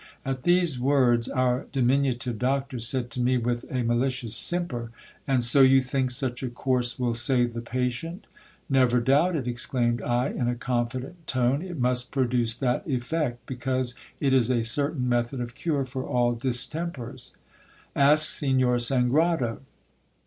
At these words, our diminutive doctor said to me with a malicious simper — And so you think such a course will save the patient ? Never doubt it, exclaimed I in a confident tone ; it must produce that effect, because it is a certain method of cure for all distempers. Ask Signor Sangrado.